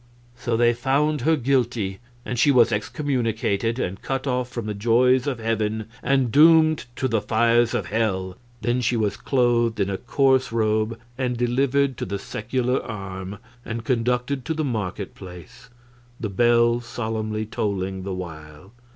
So they found her guilty, and she was excommunicated and cut off from the joys of heaven and doomed to the fires of hell; then she was clothed in a coarse robe and delivered to the secular arm, and conducted to the market place, the bell solemnly tolling the while.